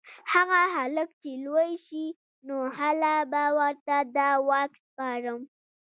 هغه هلک چې لوی شي نو هله به ورته دا واک سپارم